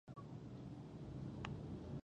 کیمیاګر په فلم او تیاتر کې انعکاس موندلی دی.